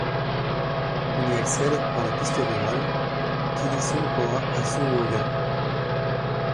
On y accède par la piste rurale qui lie Song Poa à Song Woga.